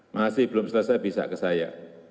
masih belum selesai bisa ke saya